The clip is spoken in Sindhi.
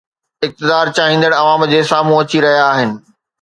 اقتدار چاهيندڙ عوام جي سامهون اچي رهيا آهن.